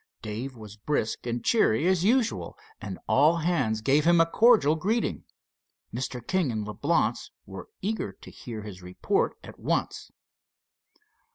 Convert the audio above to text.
Dave was brisk and cheery as usual, and all hands gave him a cordial greeting. Mr. King and Leblance were eager to hear his report at once.